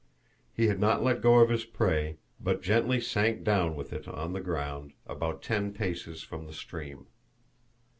He had not let go his prey, but gently sank down with it on the ground, about ten paces from the stream.